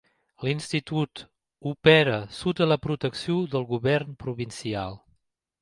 L'institut opera sota la protecció del govern provincial.